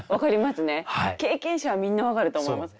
経験者はみんな分かると思います。